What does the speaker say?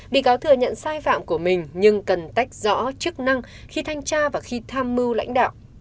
bị cáo thừa nhận sai phạm của mình nhưng cần tách rõ chức năng khi thanh tra và khi tham mưu lãnh đạo